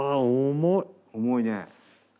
重いね。